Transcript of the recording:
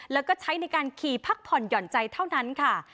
แล้วก็ใช้ในการขี่พักผ่อนหย่อนใจเท่านั้นค่ะ